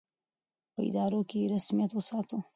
په ادارو کې یې رسمیت وساتو.